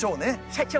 社長！